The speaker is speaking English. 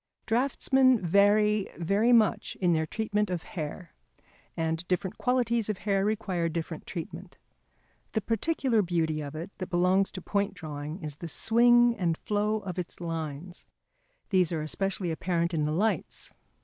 Draughtsmen vary very much in their treatment of hair, and different qualities of hair require different treatment. The particular beauty of it that belongs to point drawing is the swing and flow of its lines. These are especially apparent in the lights.